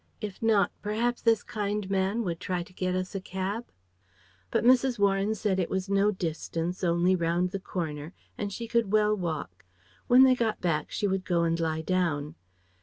If not perhaps this kind man would try to get us a cab...?" But Mrs. Warren said it was no distance, only round the corner, and she could well walk. When they got back she would go and lie down.